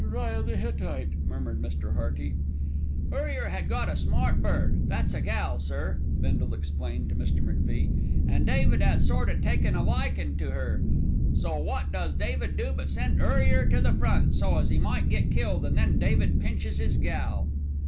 "Uriah the Hittite," murmured Mr. Hearty. "Urrier 'ad got a smart bird, that's a gal, sir," Bindle explained to Mr. MacFie, "and David 'ad sort o' taken a likin' to 'er, so wot does David do but send Urrier to the front, so as 'e might get killed, an' then David pinches 'is gal.